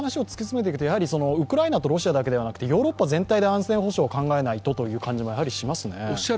ウクライナとロシアだけではなくて、ヨーロッパ全体で安全保障を考えないとという感じがしますね。